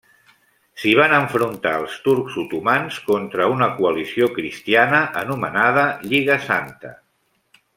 S'hi van enfrontar els turcs otomans contra una coalició cristiana, anomenada Lliga Santa.